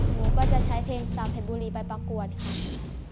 หนูก็จะใช้เพลงตามเพชรบุรีไปประกวดค่ะ